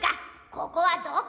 ここはどこ？